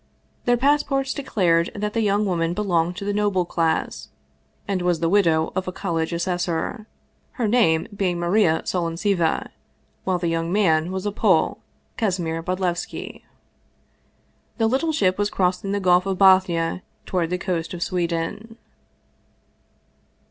Their passports declared that the young woman belonged to the noble class, and was the widow of a college assessor, her name being Maria Solontseva, while the young man was a Pole, Kasimir Bodlevski. The little ship was crossing the Gulf of Bothnia toward the coast of Sweden.